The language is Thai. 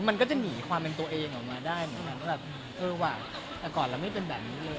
มันก็จะหนีความเป็นตัวเองออกมาได้เหมือนกันว่าแบบเออว่ะแต่ก่อนเราไม่เป็นแบบนี้เลย